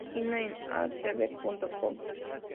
Página en acb.com